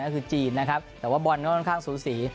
ก็คือจีนนะครับแต่ว่าบอลก็ค่อนข้างสูสี